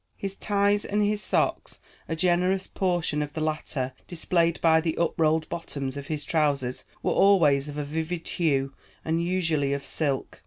His ties and his socks, a generous portion of the latter displayed by the up rolled bottoms of his trousers, were always of a vivid hue and usually of silk.